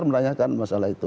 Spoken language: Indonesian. yang menanyakan masalah itu